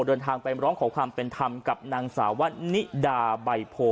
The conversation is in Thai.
เดินทางไปร้องขอความเป็นธรรมกับนางสาววันนิดาใบโพ